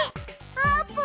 あーぷん！